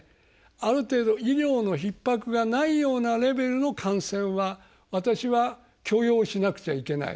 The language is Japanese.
ある程度、医療のひっ迫がないようなレベルの感染は私は許容しなくちゃいけない。